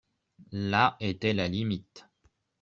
La etait la limite.